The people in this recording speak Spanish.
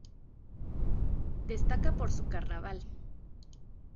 Destaca por su carnaval.